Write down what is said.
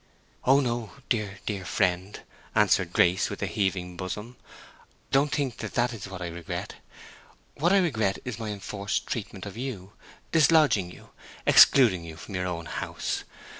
"Oh no, dear, dear friend," answered Grace, with a heaving bosom. "Don't think that that is what I regret. What I regret is my enforced treatment of you—dislodging you, excluding you from your own house.